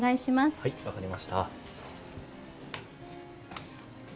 はい分かりました。